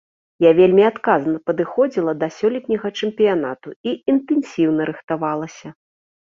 Я вельмі адказна падыходзіла да сёлетняга чэмпіянату і інтэнсіўна рыхтавалася.